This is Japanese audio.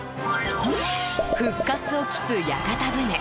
復活を期す屋形船。